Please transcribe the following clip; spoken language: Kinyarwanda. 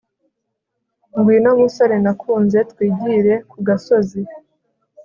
ngwino, musore nakunze, twigire ku gasozi